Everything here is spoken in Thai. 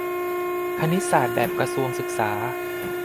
คณิตศาสตร์แบบกระทรวงศึกษา